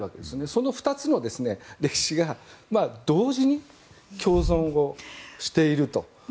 その２つの歴史が同時に共存をしていると。